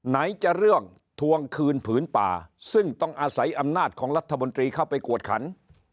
ไหนจะเรื่องทวงคืนผืนป่าซึ่งต้องอาศัยอำนาจของรัฐมนตรีเข้าไปกวดขัน